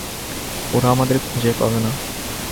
ওরা আমাদের খুঁজে পাবে না।